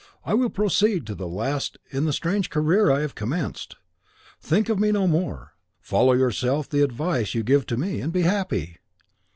I will proceed to the last in the strange career I have commenced. Think of me no more. Follow yourself the advice you give to me, and be happy."